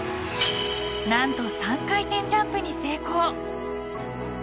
何と３回転ジャンプに成功。